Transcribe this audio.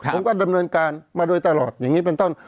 ผมก็ดำเนินการมาโดยตลอดอย่างนี้เป็นต้น